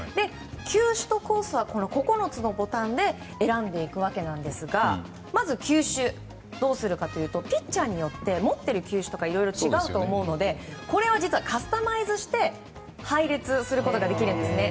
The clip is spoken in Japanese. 球種とコースは９つのボタンで選んでいくわけですがまず球種、どうするかというとピッチャーによって持ってる球種とか違うと思うのでこれを実はカスタマイズして配列することができるんですね。